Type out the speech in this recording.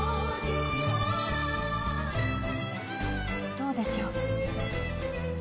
どうでしょう？